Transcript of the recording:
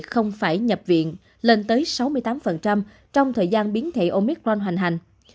không phải nhập viện lên tới sáu mươi tám trong thời gian biến thể omicron hoành hành